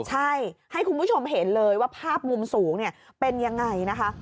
ใช่ให้คุณผู้ชมเห็นเลยว่าภาพมุมสูงเป็นยังไงนะคะ